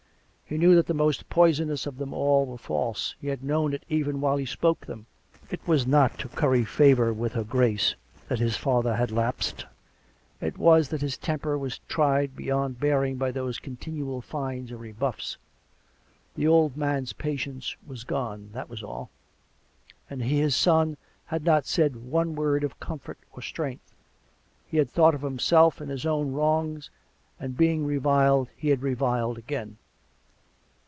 He knew that the most poisonous of them all were false; he had known it even while he spoke them; it was not to curry favour with her Grace that his father had lapsed; it was that his temper was tried beyond bearing by those continual fines and rebuffs; the old man's patience was gone — that was all. And he, his son, had not said one word of comfort or strength; he had thought of himself and his own wrongs, and being reviled he had reviled again.